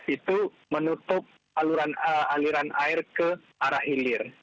itu menutup aliran air ke arah hilir